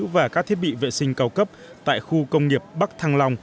và các thiết bị vệ sinh cao cấp tại khu công nghiệp bắc thăng long